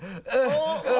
おっ？